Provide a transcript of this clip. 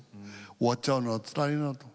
終わっちゃうのはつらいなと。